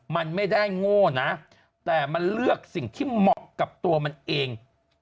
มันไม่ได้โง่นะแต่มันเลือกสิ่งที่เหมาะกับตัวมันเอง